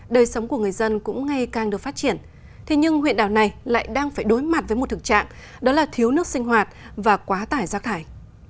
đời sống của người dân cũng ngay càng được phát triển thế nhưng huyện đảo này lại đang phải đối mặt với một thực trạng đó là thiếu nước sinh hoạt và quá tải rác thải